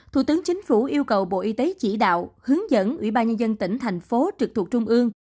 thủ tướng chính phủ yêu cầu bộ y tế chỉ đạo hướng dẫn ủy ban nhân dân tỉnh thành phố trực thuộc trung ương